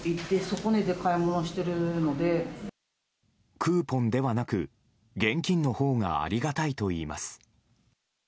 クーポンではなく現金のほうがありがたいといいます。